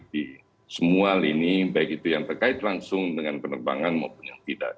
di semua lini baik itu yang terkait langsung dengan penerbangan maupun yang tidak